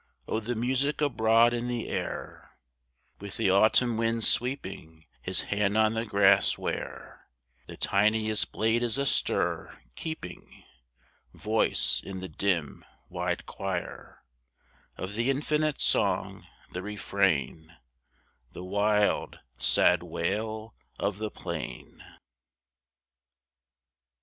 O the music abroad in the air, With the autumn wind sweeping His hand on the grass, where The tiniest blade is astir, keeping Voice in the dim, wide choir, Of the infinite song, the refrain, The wild, sad wail of the plain